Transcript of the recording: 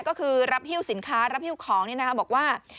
ก็คือรับหิ้วสินค้ารับฮิ้วของบอกว่า